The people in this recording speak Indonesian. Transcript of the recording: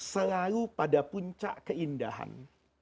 selalu pada puncak keindahan